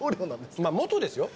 まあ元ですよ。